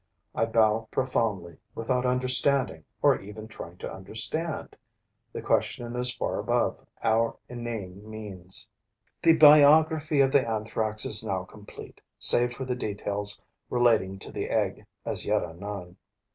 I bow profoundly, without understanding or even trying to understand. The question is far above, our inane means. The biography of the Anthrax is now complete, save for the details relating to the egg, as yet unknown.